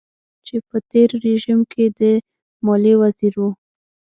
چې په تېر رژيم کې د ماليې وزير و.